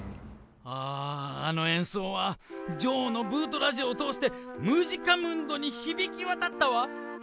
あぁあの演奏はジョーのブートラジオを通してムジカムンドに響き渡ったわ！